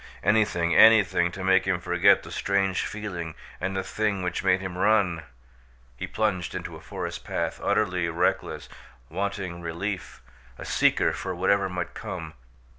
Anything, anything, to make him forget the strange feeling and the thing which made him run! He plunged into a forest path, utterly reckless, wanting relief, a seeker for whatever might come.